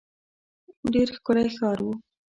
ډېر ښکلی ښار وو.